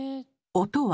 音は。